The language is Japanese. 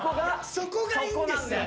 そこがいいんですよ！